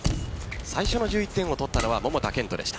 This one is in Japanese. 最初の１１点を取ったのは桃田賢斗でした。